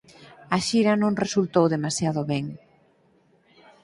A xira non resultou demasiado ben.